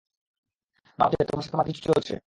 মা ভাবছে, তোমার সাথে আমার কিছু চলছে।